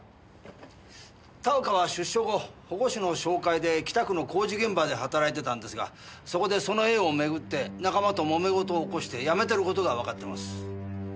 田岡は出所後保護司の紹介で北区の工事現場で働いてたんですがそこでその絵をめぐって仲間ともめ事を起こして辞めてる事がわかってます。